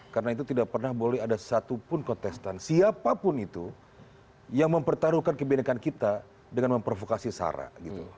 karena itu tidak pernah boleh ada satupun kontestan siapapun itu yang mempertaruhkan kebenekan kita dengan memprovokasi sarah